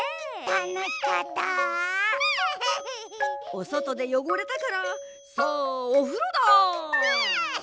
おそとでよごれたからさあおふろだ！